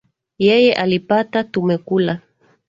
Yeye alipata tumekula